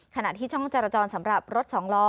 ขณะที่ช่องจรจรสำหรับรถสองล้อ